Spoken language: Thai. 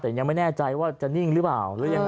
แต่ยังไม่แน่ใจว่าจะนิ่งหรือเปล่า